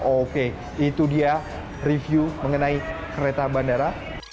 oke itu dia review mengenai kereta bandara